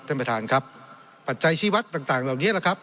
ท่านประธานครับปัจจัยชีวัตรต่างต่างเหล่านี้แหละครับ